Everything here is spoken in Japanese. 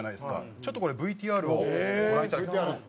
ちょっとこれＶＴＲをご覧いただきたい。